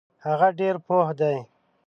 هغه ډیر پوه دی.